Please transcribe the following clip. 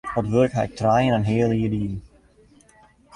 Dat wurk haw ik trije en in heal jier dien.